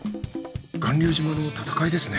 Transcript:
巌流島の戦いですね。